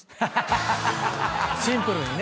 シンプルにね。